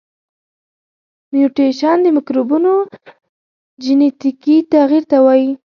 میوټیشن د مکروبونو جنیتیکي تغیر ته وایي.